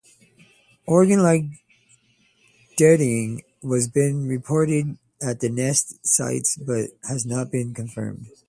Organ-like duetting has been reported at nest sites but has not been confirmed.